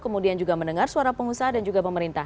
kemudian juga mendengar suara pengusaha dan juga pemerintah